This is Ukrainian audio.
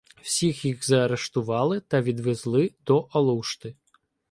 Всіх їх заарештували та відвезли до Алушти.